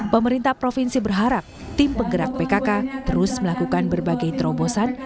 pemerintah provinsi berharap tim penggerak pkk terus melakukan berbagai terobosan